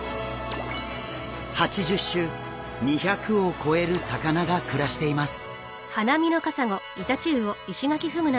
８０種２００を超える魚が暮らしています。